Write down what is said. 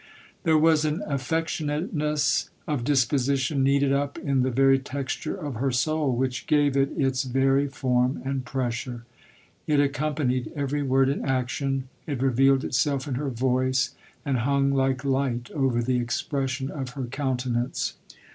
There was an affectionateness of disposition kneaded up in the very texture of her soul, which j.ave it its "very form and pressure." It ac companied every word and action ; it revealed itself in her voice, and hung like light over the expression of her countenance.